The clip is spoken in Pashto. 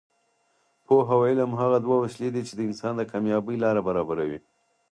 پوهه او علم هغه دوه وسلې دي چې د انسان د کامیابۍ لاره برابروي.